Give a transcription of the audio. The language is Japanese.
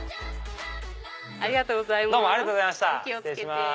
ありがとうございます。